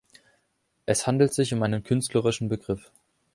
Es handelt sich um einen künstlerischen Begriff.